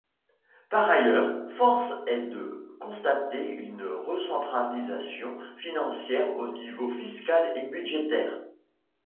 Par ailleurs, force est de constater une recentralisation financière au niveau fiscal et budgétaire.